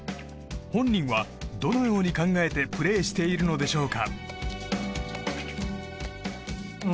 本人はどのように考えてプレーしているのでしょうか。